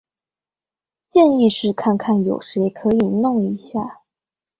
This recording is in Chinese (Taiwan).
建議是看看有誰可以弄一下